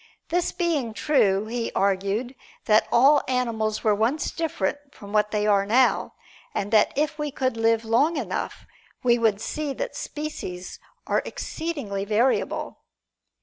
This being true he argued that all animals were once different from what they are now, and that if we could live long enough, we would see that species are exceedingly variable.